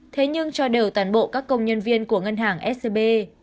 thế nhưng cho đều toàn bộ các công nhân viên của ngân hàng scb